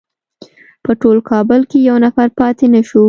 په ټول کابل کې یو نفر پاتې نه شو.